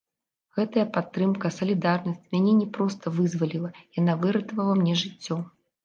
Гэтая падтрымка, салідарнасць мяне не проста вызваліла, яна выратавала мне жыццё.